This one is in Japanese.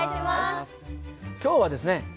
今日はですね